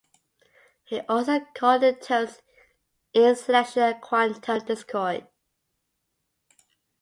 He also coined the terms einselection and quantum discord.